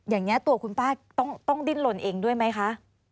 อย่างนี้ตัวคุณป้าต้องดิ้นลนเองด้วยไหมคะ